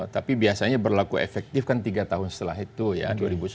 tapi biasanya berlaku efektif kan tiga tahun setelah itu ya dua ribu sebelas